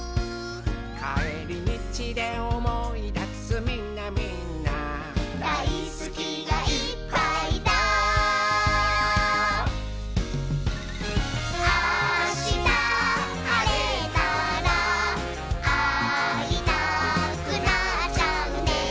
「かえりみちでおもいだすみんなみんな」「だいすきがいっぱいだ」「あしたはれたらあいたくなっちゃうね」